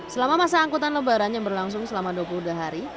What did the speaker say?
selama masa angkutan lebaran yang berlangsung selama dua puluh dua hari